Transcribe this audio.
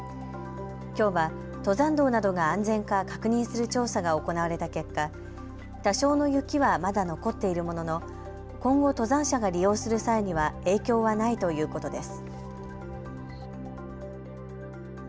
きょうは登山道などが安全か確認する調査が行われた結果、多少の雪はまだ残っているものの今後、登山者が利用する際には影響はないということです。